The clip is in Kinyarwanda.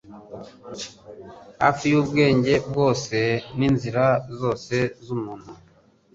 hafi y'ubwenge bwose n'inzira zose z'umuntu